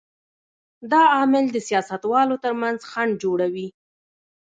دا عامل د سیاستوالو تر منځ خنډ جوړوي.